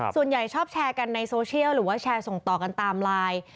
ชอบแชร์กันในโซเชียลหรือว่าแชร์ส่งต่อกันตามไลน์